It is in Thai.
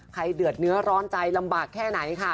เดือดเนื้อร้อนใจลำบากแค่ไหนค่ะ